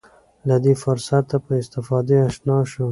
له دې فرصته په استفادې اشنا شم.